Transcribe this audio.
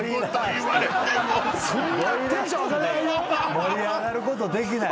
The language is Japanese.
盛り上がることできない。